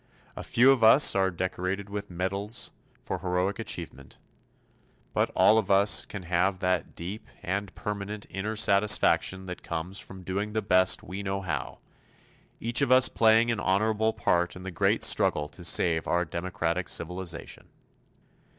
A few of us are decorated with medals for heroic achievement, but all of us can have that deep and permanent inner satisfaction that comes from doing the best we know how each of us playing an honorable part in the great struggle to save our democratic civilization.